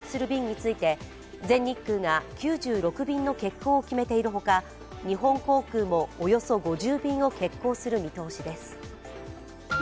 空の便では、明日、羽田空港を発着する便について全日空が９６便の欠航を決めているほか、日本航空もおよそ５０便を欠航する見通しです。